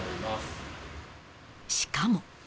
しかも。